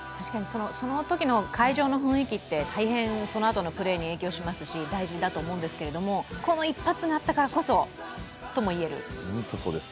そのときの会場の雰囲気ってそのあとのプレーに影響しますし大事だと思うんですけども、この一発があったからこそとも言える？